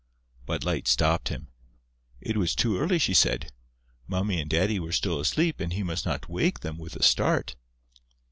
But Light stopped him. It was too early, she said: Mummy and Daddy were still asleep and he must not wake them with a start.